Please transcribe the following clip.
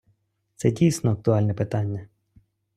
Це дійсно актуальне питання.